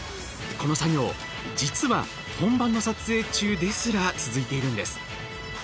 この作業、実は本番の撮影中ですら続いているんです。